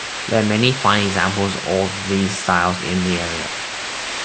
There are many fine examples of these styles in the area.